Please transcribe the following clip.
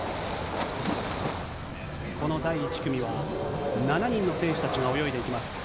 この第１組は、７人の選手たちが泳いでいきます。